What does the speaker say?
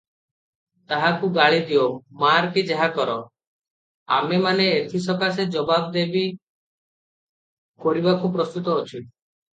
ତାହାକୁ ଗାଳିଦିଅ, ମାର କି ଯାହା କର, ଆମେମାନେ ସେଥି ସକାଶେ ଜବାବଦେହୀ କରିବାକୁ ପ୍ରସ୍ତୁତ ଅଛୁଁ ।